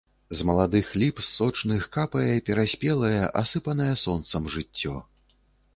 З маладых ліп, з сочных, капае пераспелае, асыпанае сонцам жыццё.